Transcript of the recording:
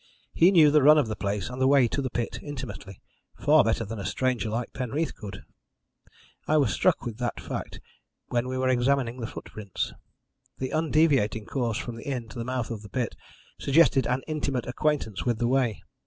He knew the run of the place and the way to the pit intimately far better than a stranger like Penreath could. I was struck with that fact when we were examining the footprints. The undeviating course from the inn to the mouth of the pit suggested an intimate acquaintance with the way.